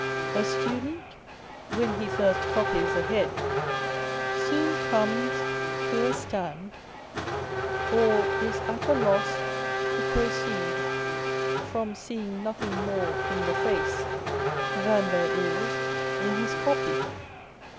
A student, when he first copies a head, soon comes to a stand, or is at a loss to proceed from seeing nothing more in the face than there is in his copy.